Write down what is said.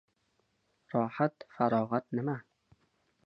Rohat-farog‘at nima?